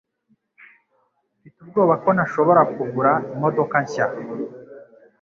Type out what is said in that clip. Mfite ubwoba ko ntashobora kugura imodoka nshya.